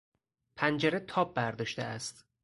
پنجره تاب برداشته است.